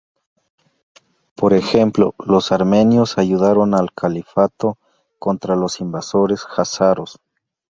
Por ejemplo, los armenios ayudaron al Califato contra los invasores jázaros.